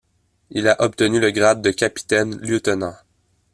Il a obtenu le grade de capitaine-lieutenant.